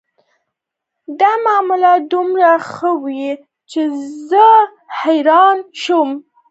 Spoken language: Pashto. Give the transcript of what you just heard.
دا معامله دومره ښه وه چې زه حیرانه شوم